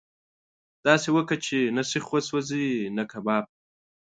داسي وکه چې نه سيخ وسوځي نه کباب.